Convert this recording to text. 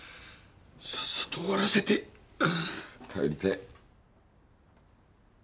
さっさと終わらせて帰りたい。